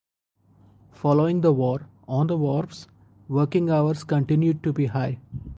Following the war, on the wharves working hours continued to be high.